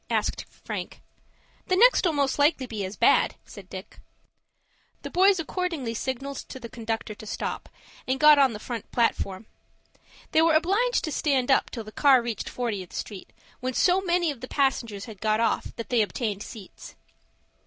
asked Frank. "The next'll most likely be as bad," said Dick. The boys accordingly signalled to the conductor to stop, and got on the front platform. They were obliged to stand up till the car reached Fortieth Street, when so many of the passengers had got off that they obtained seats.